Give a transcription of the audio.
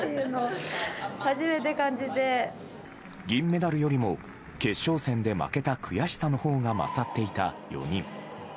銀メダルよりも決勝戦で負けた悔しさのほうが勝っていた４人。